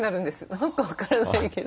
何か分からないけど。